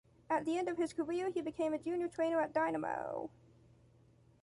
At the end of his career, he became a junior trainer at Dynamo.